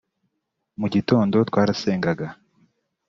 mu gitondo twarasengaga